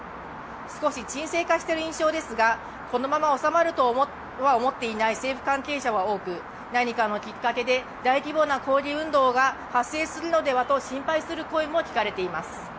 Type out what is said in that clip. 少し沈静化している印象ですが、このまま収まるとは思っていない政府関係者は多く何かのきっかけで大規模な抗議運動が発生するのではと心配する声も聞かれています。